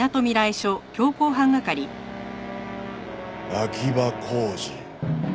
秋葉浩二。